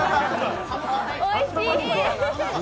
おいしい。